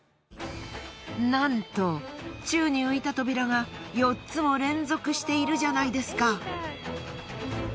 なんと宙に浮いた扉が４つも連続しているじゃないですか。